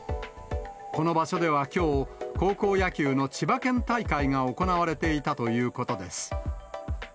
この場所ではきょう、高校野球の千葉県大会が行われていたということです。